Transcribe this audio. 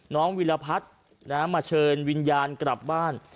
วิรพัฒน์มาเชิญวิญญาณกลับบ้าน